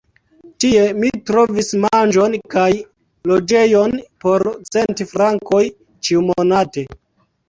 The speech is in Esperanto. Tie mi trovis manĝon kaj loĝejon por cent frankoj ĉiumonate.